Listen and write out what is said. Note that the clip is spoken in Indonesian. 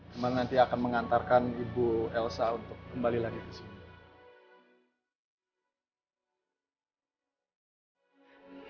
cuma nanti akan mengantarkan ibu elsa untuk kembali lagi ke sini